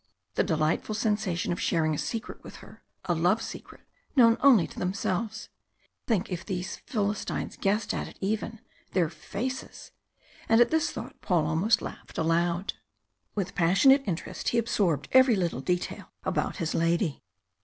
The delightful sensation of sharing a secret with her a love secret known only to themselves. Think, if these Philistines guessed at it even! their faces. And at this thought Paul almost laughed aloud. With passionate interest he absorbed every little detail about his lady.